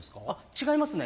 違いますね